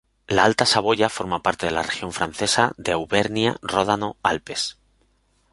La Alta Saboya forma parte de la región francesa de Auvernia-Ródano-Alpes.